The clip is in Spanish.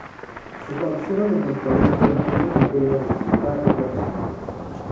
Se conocieron en el Colegio Mariano Moreno de la ciudad de Buenos Aires.